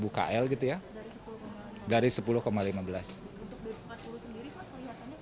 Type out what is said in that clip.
untuk b empat puluh sendiri kan kelihatannya koreksinya banyak